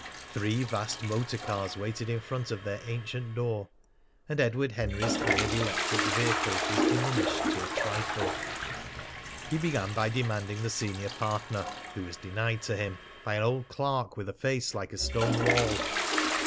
Three vast motor cars waited in front of their ancient door, and Edward Henry's hired electric vehicle was diminished to a trifle. He began by demanding the senior partner, who was denied to him by an old clerk with a face like a stone wall.